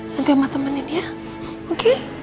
nanti mama temenin ya oke